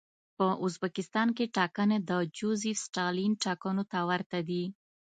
په ازبکستان کې ټاکنې د جوزېف ستالین ټاکنو ته ورته دي.